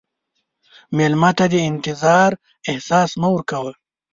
مېلمه ته د انتظار احساس مه ورکړه.